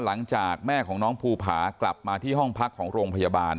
หลังจากแม่ของน้องภูผากลับมาที่ห้องพักของโรงพยาบาล